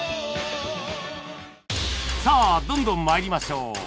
さあどんどん参りましょう